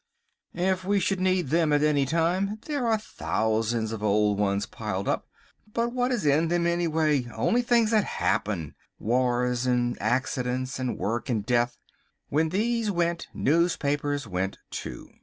If we should need them at any time there are thousands of old ones piled up. But what is in them, anyway; only things that happen, wars and accidents and work and death. When these went newspapers went too.